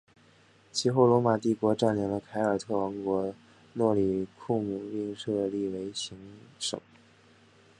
其后罗马帝国占领了凯尔特王国诺里库姆并设立为行省。